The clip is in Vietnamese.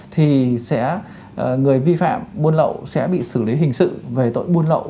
thì người vi phạm buôn lậu sẽ bị xử lý hình sự về tội buôn lậu